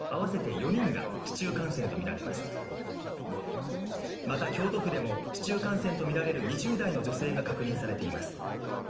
既にもう準備もまた京都府でも市中感染とみられる２０代の女性が確認されています